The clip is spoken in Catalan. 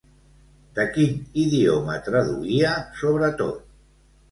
De quin idioma traduïa sobretot?